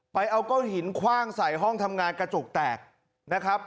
ไปเอาก้อนหินคว่างใส่ห้องทำงานกระจกแตกนะครับ